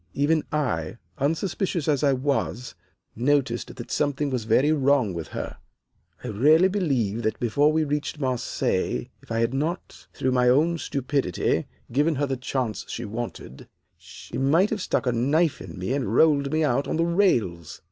Even I, unsuspicious as I was, noticed that something was very wrong with her. I really believe that before we reached Marseilles if I had not, through my own stupidity, given her the chance she wanted, she might have stuck a knife in me and rolled me out on the rails.